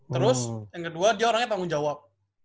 terus yang kedua dia orangnya tanggung jawab